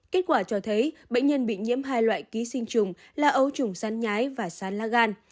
kết quả cho thấy bệnh nhân bị nhiễm hai loại ký sinh chủng là ấu chủng sán nhái và sán la gan